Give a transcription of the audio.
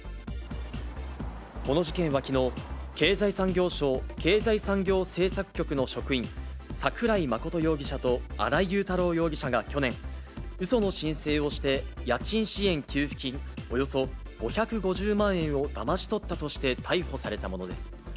この事件はきのう、経済産業省経済産業政策局の職員、桜井真容疑者と新井雄太郎容疑者が去年、うその申請をして家賃支援給付金およそ５５０万円をだまし取ったとして逮捕されたものです。